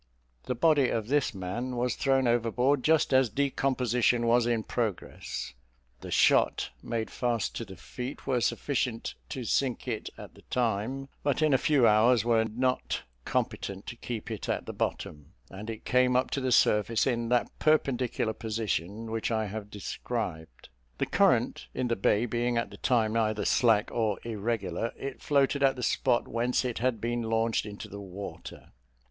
The body of this man was thrown overboard just as decomposition was in progress: the shot made fast to the feet were sufficient to sink it at the time; but in a few hours after were not competent to keep it at the bottom, and it came up to the surface in that perpendicular position which I have described. The current in the bay being at the time either slack or irregular, it floated at the spot whence it had been launched into the water.